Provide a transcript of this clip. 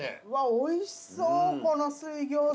おいしそうこの水餃子。